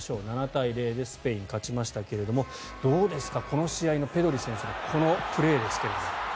７対０でスペイン、勝ちましたがどうですか、この試合のペドリ選手のこのプレーですが。